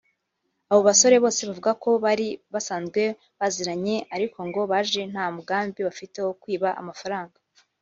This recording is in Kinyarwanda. Abo basore bose bavuga ko bari basanzwe baziranye ariko ngo baje nta mugambi bafite wo kwiba amafaranga